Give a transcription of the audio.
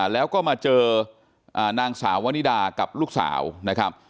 แล้วก็มาเจอนางสาววนิดากับลูกสาวนะครับ